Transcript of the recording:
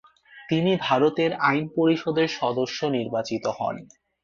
তিনি ভারতের আইন পরিষদের সদস্য নির্বাচিত হন।